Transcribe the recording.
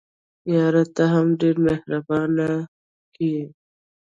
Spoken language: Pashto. یاره ته هم ډېري بهانې کیې.